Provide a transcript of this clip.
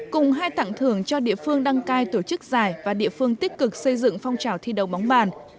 cùng hai tặng thưởng cho địa phương đăng cai tổ chức giải và địa phương tích cực xây dựng phong trào thi đấu bóng bàn